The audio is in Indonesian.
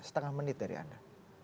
setengah menit dari anda